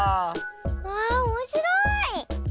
わあおもしろい！